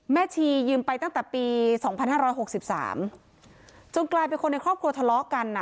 แม่ชียืมไปตั้งแต่ปีสองพันห้าร้อยหกสิบสามจนกลายเป็นคนในครอบครัวทะเลาะกันอ่ะ